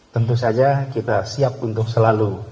tentu saja kita siap untuk selalu